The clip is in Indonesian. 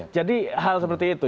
jadi hal seperti itu